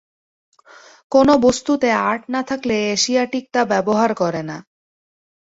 কোন বস্তুতে আর্ট না থাকলে এশিয়াটিক তা ব্যবহার করে না।